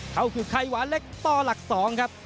เขาคือไข่หวานเล็กต่อหลัก๒ครับ